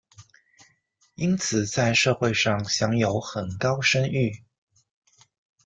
因此在社会上享有很高声誉。